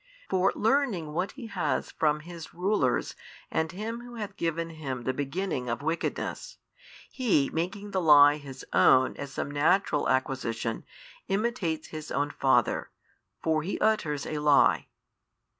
For learning what he has from his rulers and him who hath given him the beginning of wickedness, he making the lie his own as some natural acquisition imitates his own father, for he utters a lie.